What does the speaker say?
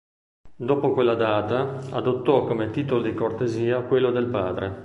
Dopo quella data adottò come titolo di cortesia quello del padre.